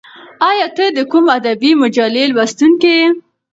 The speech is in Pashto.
ایا ته د کوم ادبي مجلې لوستونکی یې؟